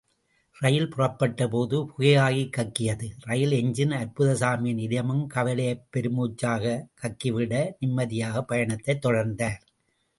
இரயில் புறப்பட்டபோது, புகையாகக் கக்கியது rail engine, அற்புதசாமியின் இதயமும் கவலையைப் பெருமூச்சாகக் கக்கிவிட, நிம்மதியாக பயணத்தைத் தொடர்ந்தார்.